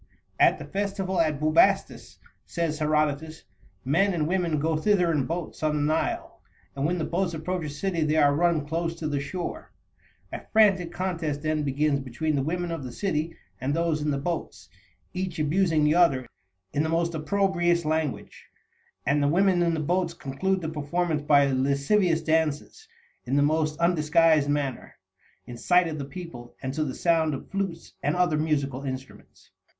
"At the festival at Bubastis," says Herodotus, "men and women go thither in boats on the Nile, and when the boats approach a city they are run close to the shore. A frantic contest then begins between the women of the city and those in the boats, each abusing the other in the most opprobrious language, and the women in the boats conclude the performance by lascivious dances, in the most undisguised manner, in sight of the people, and to the sound of flutes and other musical instruments."